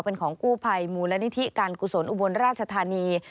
เป็นของกู้ภัยมูลนิธิการกุศลอุบลราชธานี